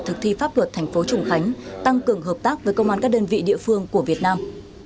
thực thi pháp luật thành phố trùng khánh tăng cường hợp tác với công an các đơn vị địa phương của việt nam